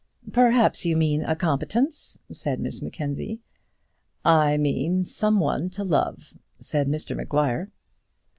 "Perhaps you mean a competence," said Miss Mackenzie. "I mean some one to love," said Mr Maguire.